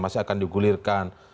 masih akan digulirkan